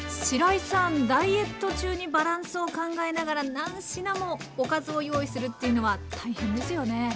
しらいさんダイエット中にバランスを考えながら何品もおかずを用意するっていうのは大変ですよね？